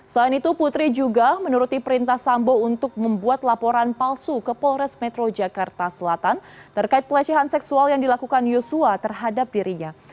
selain itu putri juga menuruti perintah sambo untuk membuat laporan palsu ke polres metro jakarta selatan terkait pelecehan seksual yang dilakukan yosua terhadap dirinya